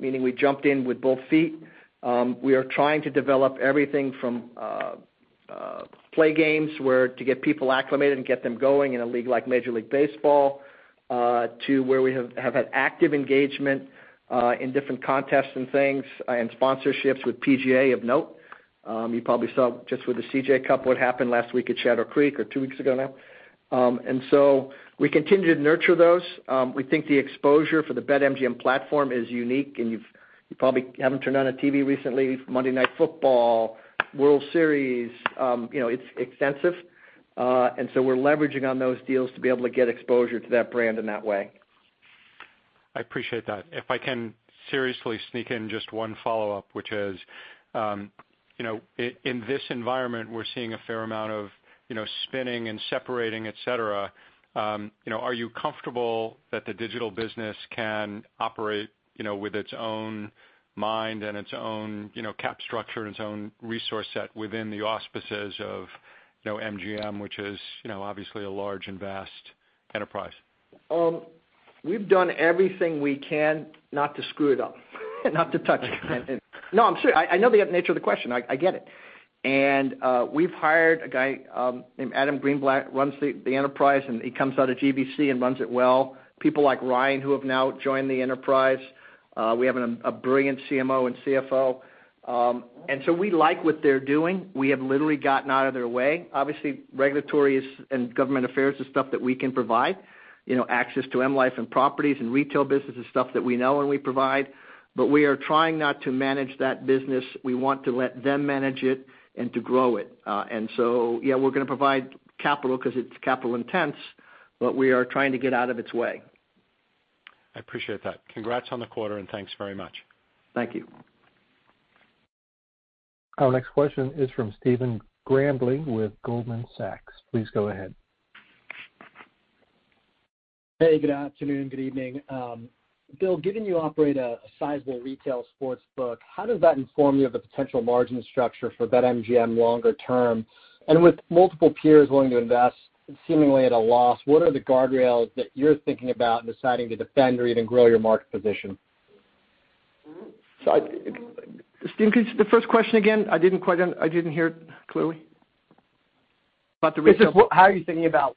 meaning we jumped in with both feet. We are trying to develop everything from play games, where to get people acclimated and get them going in a league like Major League Baseball, to where we have had active engagement in different contests and things and sponsorships with PGA of note. You probably saw just with the CJ Cup, what happened last week at Shadow Creek or two weeks ago now. We continue to nurture those. We think the exposure for the BetMGM platform is unique, and you probably haven't turned on a TV recently, Monday Night Football, World Series, it's extensive. We're leveraging on those deals to be able to get exposure to that brand in that way. I appreciate that. If I can seriously sneak in just one follow-up, which is, in this environment, we're seeing a fair amount of spinning and separating, et cetera. Are you comfortable that the digital business can operate with its own mind and its own cap structure and its own resource set within the auspices of MGM, which is obviously a large and vast enterprise? We've done everything we can not to screw it up, not to touch it. No, I'm serious. I know the nature of the question. I get it. We've hired a guy named Adam Greenblatt, runs the enterprise, and he comes out of GVC and runs it well. People like Ryan, who have now joined the enterprise. We have a brilliant CMO and CFO. We like what they're doing. We have literally gotten out of their way. Obviously, regulatory and government affairs is stuff that we can provide. Access to M life and properties and retail business is stuff that we know and we provide. We are trying not to manage that business. We want to let them manage it and to grow it. Yeah, we're going to provide capital because it's capital intense, but we are trying to get out of its way. I appreciate that. Congrats on the quarter, and thanks very much. Thank you. Our next question is from Stephen Grambling with Goldman Sachs. Please go ahead. Hey, good afternoon, good evening. Bill, given you operate a sizable retail sports book, how does that inform you of the potential margin structure for BetMGM longer term? With multiple peers willing to invest seemingly at a loss, what are the guardrails that you're thinking about in deciding to defend or even grow your market position? Stephen, could you state the first question again? I didn't hear it clearly. How are you thinking about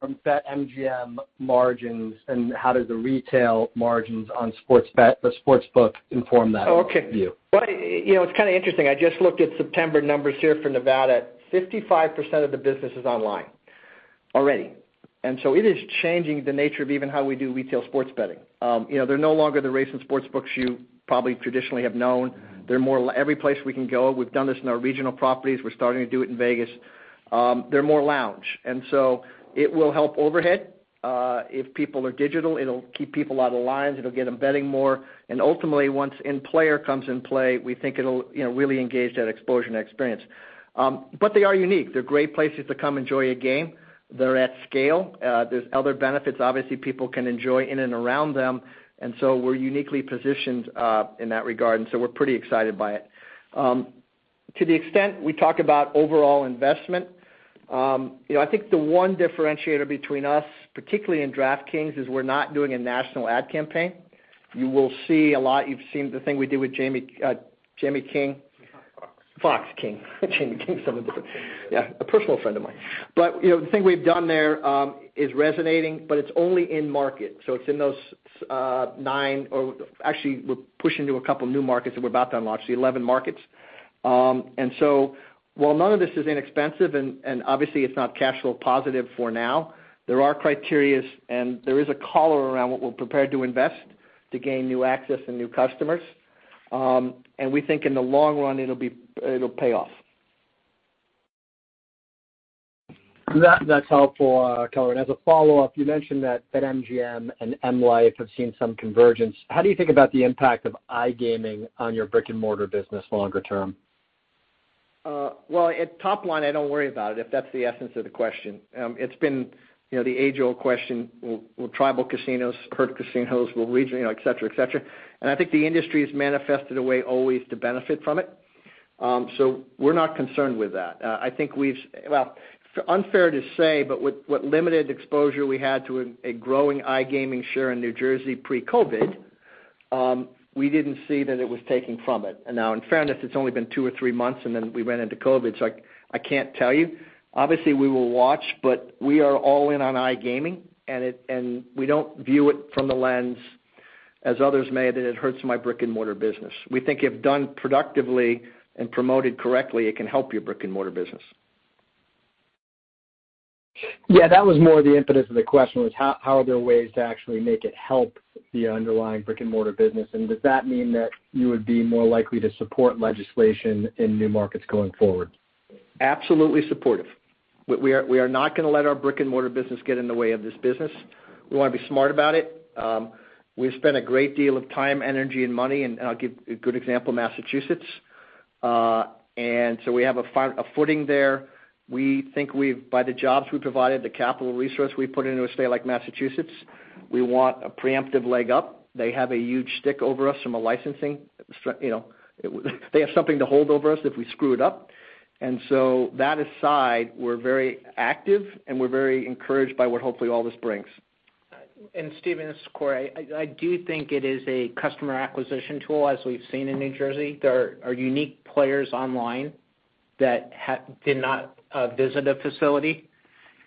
from BetMGM margins, and how does the retail margins on the sports book inform that view? Okay. Well, it's kind of interesting. I just looked at September numbers here for Nevada. 55% of the business is online already. It is changing the nature of even how we do retail sports betting. They're no longer the race and sports books you probably traditionally have known. Every place we can go, we've done this in our regional properties. We're starting to do it in Vegas. They're more lounge. It will help overhead. If people are digital, it'll keep people out of lines. It'll get them betting more. Ultimately, once in-play comes in play, we think it'll really engage that exposure and experience. They are unique. They're great places to come enjoy a game. They're at scale. There's other benefits, obviously, people can enjoy in and around them. We're uniquely positioned in that regard. We're pretty excited by it. To the extent we talk about overall investment, I think the one differentiator between us, particularly in DraftKings, is we're not doing a national ad campaign. You will see a lot. You've seen the thing we did with Jamie King. Fox. Fox King. Jamie King's a personal friend of mine. The thing we've done there is resonating, but it's only in market, so it's in those nine Or actually, we're pushing to a couple new markets that we're about to launch, the 11 markets. While none of this is inexpensive, and obviously it's not cash flow positive for now, there are criterias and there is a collar around what we're prepared to invest to gain new access and new customers. We think in the long run, it'll pay off. That's helpful, Bill. As a follow-up, you mentioned that MGM and M life have seen some convergence. How do you think about the impact of iGaming on your brick-and-mortar business longer term? Well, at top line, I don't worry about it, if that's the essence of the question. It's been the age-old question, will tribal casinos hurt casinos, will region, et cetera. I think the industry has manifested a way always to benefit from it. We're not concerned with that. It's unfair to say, but what limited exposure we had to a growing iGaming share in New Jersey pre-COVID-19, we didn't see that it was taking from it. Now, in fairness, it's only been two or three months, and then we went into COVID-19. I can't tell you. Obviously, we will watch, but we are all in on iGaming, and we don't view it from the lens, as others may, that it hurts my brick-and-mortar business. We think if done productively and promoted correctly, it can help your brick-and-mortar business. That was more the impetus of the question was, how are there ways to actually make it help the underlying brick-and-mortar business, and does that mean that you would be more likely to support legislation in new markets going forward? Absolutely supportive. We are not going to let our brick-and-mortar business get in the way of this business. We want to be smart about it. We've spent a great deal of time, energy, and money, and I'll give a good example, Massachusetts. We have a footing there. We think by the jobs we provided, the capital resource we put into a state like Massachusetts, we want a preemptive leg up. They have a huge stick over us from a licensing. They have something to hold over us if we screw it up. That aside, we're very active, and we're very encouraged by what hopefully all this brings. Stephen, this is Corey. I do think it is a customer acquisition tool, as we've seen in New Jersey. There are unique players online that did not visit a facility.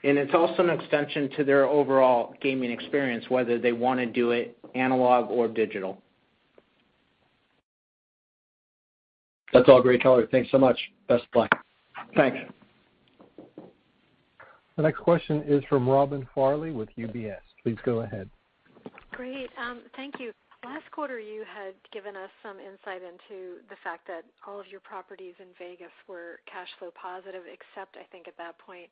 It's also an extension to their overall gaming experience, whether they want to do it analog or digital. That's all great, Corey. Thanks so much. Best play. Thanks. The next question is from Robin Farley with UBS. Please go ahead. Great. Thank you. Last quarter, you had given us some insight into the fact that all of your properties in Vegas were cash flow positive, except I think at that point,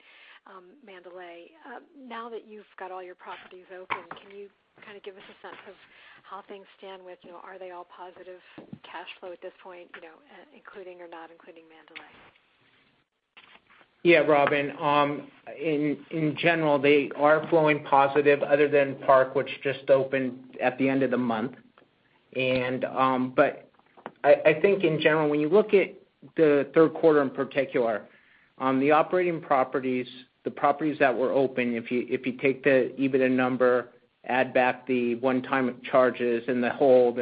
Mandalay. Now that you've got all your properties open, can you kind of give us a sense of how things stand with, are they all positive cash flow at this point, including or not including Mandalay? Yeah, Robin. In general, they are flowing positive other than Park, which just opened at the end of the month. But I think in general, when you look at the third quarter in particular, the operating properties, the properties that were open, if you take the EBITDA number, add back the one-time charges and the hold,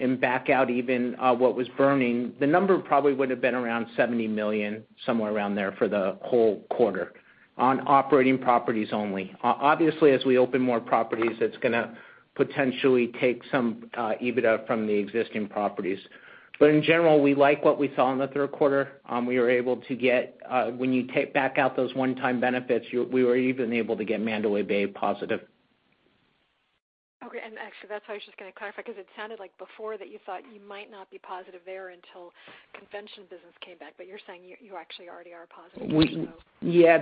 and back out even what was burning, the number probably would've been around $70 million, somewhere around there, for the whole quarter on operating properties only. Obviously, as we open more properties, it's going to potentially take some EBITDA from the existing properties. In general, we like what we saw in the third quarter. When you take back out those one-time benefits, we were even able to get Mandalay Bay positive. Okay. Actually, that's what I was just going to clarify because it sounded like before that you thought you might not be positive there until convention business came back. You're saying you actually already are positive, so? Yeah.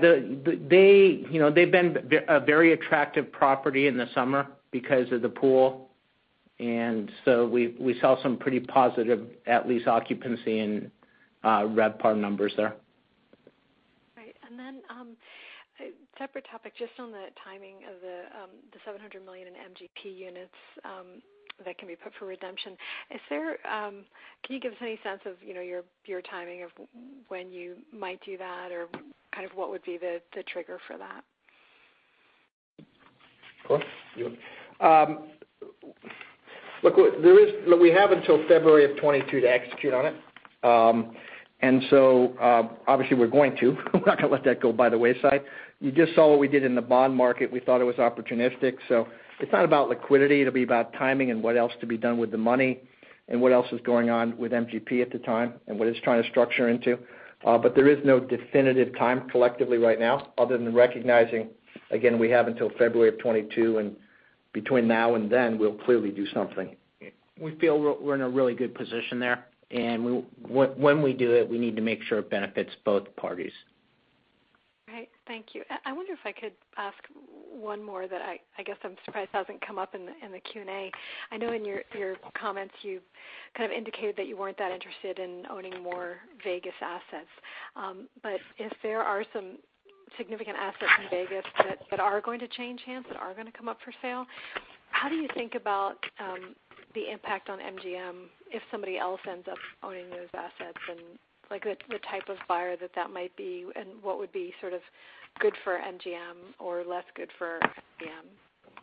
They've been a very attractive property in the summer because of the pool. We saw some pretty positive, at least, occupancy and RevPAR numbers there. Right. Then, a separate topic, just on the timing of the $700 million in MGP units that can be put for redemption, can you give us any sense of your timing of when you might do that or kind of what would be the trigger for that? Corey, you want? Look, we have until February of 2022 to execute on it. Obviously we're not going to let that go by the wayside. You just saw what we did in the bond market. We thought it was opportunistic. It's not about liquidity. It'll be about timing and what else to be done with the money and what else is going on with MGP at the time and what it's trying to structure into. There is no definitive time collectively right now other than recognizing, again, we have until February of 2022, and between now and then, we'll clearly do something. We feel we're in a really good position there, and when we do it, we need to make sure it benefits both parties. Right. Thank you. I wonder if I could ask one more that I guess I'm surprised hasn't come up in the Q&A. I know in your comments, you kind of indicated that you weren't that interested in owning more Vegas assets. If there are some significant assets in Vegas that are going to change hands, that are going to come up for sale? How do you think about the impact on MGM if somebody else ends up owning those assets, and the type of buyer that might be, and what would be sort of good for MGM or less good for MGM?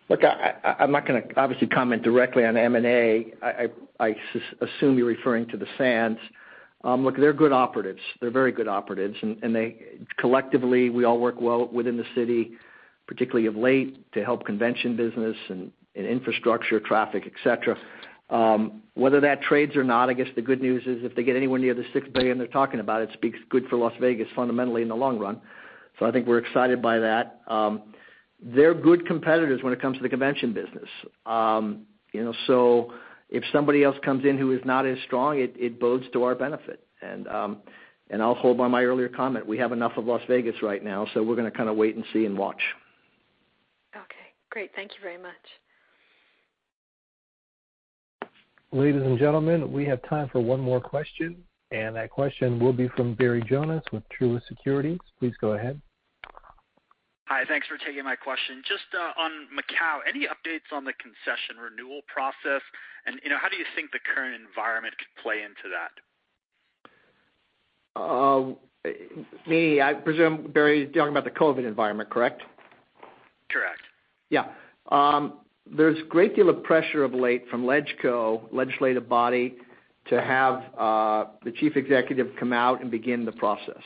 Look, I'm not going to obviously comment directly on M&A. I assume you're referring to the Sands. Look, they're good operatives. They're very good operatives, collectively, we all work well within the city, particularly of late, to help convention business and infrastructure, traffic, et cetera. Whether that trades or not, I guess the good news is if they get anywhere near the $6 billion they're talking about, it speaks good for Las Vegas fundamentally in the long run. I think we're excited by that. They're good competitors when it comes to the convention business. If somebody else comes in who is not as strong, it bodes to our benefit. I'll hold by my earlier comment. We have enough of Las Vegas right now, we're going to kind of wait and see and watch. Okay, great. Thank you very much. Ladies and gentlemen, we have time for one more question. That question will be from Barry Jonas with Truist Securities. Please go ahead. Hi. Thanks for taking my question. Just on Macau, any updates on the concession renewal process, and how do you think the current environment could play into that? Me, I presume Barry's talking about the COVID environment, correct? Correct. There's a great deal of pressure of late from LegCo, legislative body, to have the chief executive come out and begin the process,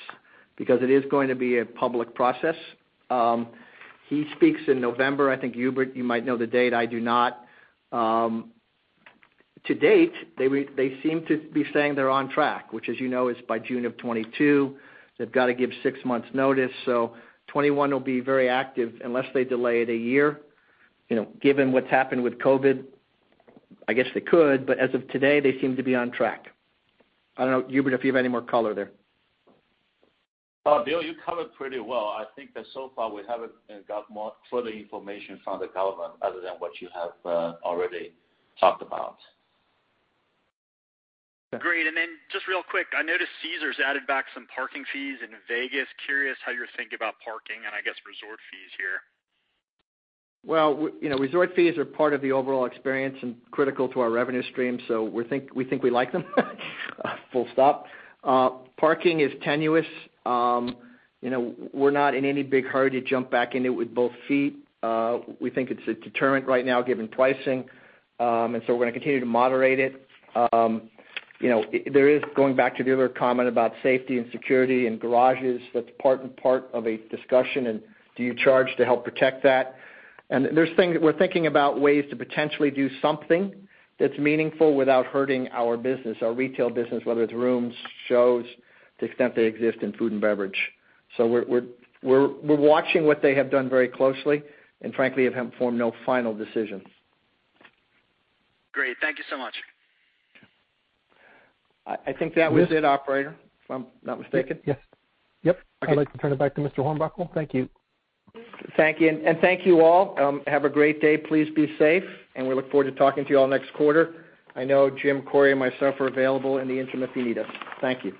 because it is going to be a public process. He speaks in November. I think Hubert, you might know the date, I do not. To date, they seem to be saying they're on track, which, as you know, is by June of 2022. They've got to give six months notice, so 2021 will be very active unless they delay it a year. Given what's happened with COVID, I guess they could, but as of today, they seem to be on track. I don't know, Hubert, if you have any more color there. Bill, you covered pretty well. I think that so far we haven't got more further information from the government other than what you have already talked about. Great. Just real quick, I noticed Caesars added back some parking fees in Vegas. Curious how you're thinking about parking and I guess resort fees here? Well, resort fees are part of the overall experience and critical to our revenue stream, so we think we like them full stop. Parking is tenuous. We're not in any big hurry to jump back into it with both feet. We think it's a deterrent right now given pricing, and so we're going to continue to moderate it. There is, going back to the other comment about safety and security and garages, that's part and part of a discussion, and do you charge to help protect that? We're thinking about ways to potentially do something that's meaningful without hurting our business, our retail business, whether it's rooms, shows, to the extent they exist, and food and beverage. We're watching what they have done very closely, and frankly, have formed no final decisions. Great. Thank you so much. I think that was it, operator, if I'm not mistaken. Yes. Yep. Okay. I'd like to turn it back to Mr. Hornbuckle. Thank you. Thank you, and thank you all. Have a great day. Please be safe, and we look forward to talking to you all next quarter. I know Jim, Corey, and myself are available in the interim if you need us. Thank you.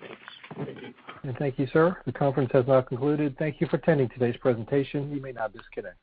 Thank you, sir. The conference has now concluded, thank you for attending today's presentation. You may now disconnect.